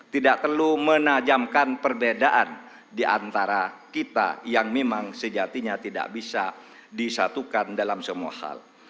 tidak perlu menajamkan perbedaan diantara kita yang memang sejatinya tidak bisa disatukan dalam semua hal